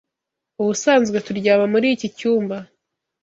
Ubusanzwe turyama muri iki cyumba.